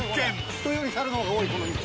・人より猿の方が多いこの道。